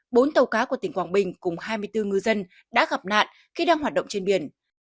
bốn tàu cá của tỉnh quảng bình cùng hai mươi bốn ngư dân đã gặp nạn khi đang hoạt động trên biển